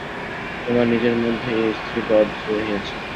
তোমার নিজের মধ্যেই ঐ স্থির হ্রদ রহিয়াছে।